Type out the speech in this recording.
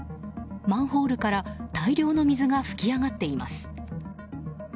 マンホールから大量の水が噴き上がっています。